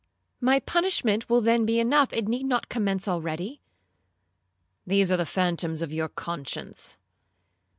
'—'My punishment will then be enough, it need not commence already.'—'These are the phantoms of your conscience.'